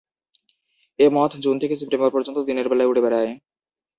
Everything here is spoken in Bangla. এ মথ জুন থেকে সেপ্টেম্বর পর্যন্ত দিনের বেলায় উড়ে বেড়ায়।